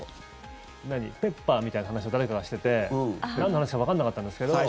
ペッパーみたいな話を誰かがしててなんの話かわからなかったんですけど。